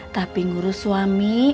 tapi ngurus suami